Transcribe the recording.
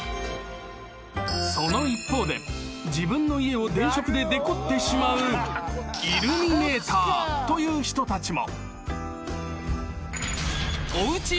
［その一方で自分の家を電飾でデコってしまうイルミネーターという人たちも］